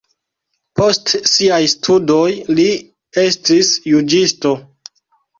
Post siaj studoj li estis juĝisto.